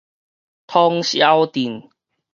通霄鎮